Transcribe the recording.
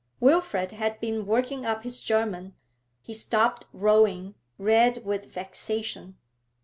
"' Wilfrid had been working up his German. He stopped rowing, red with vexation.